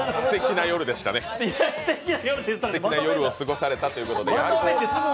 すてきな夜を過ごされたということで。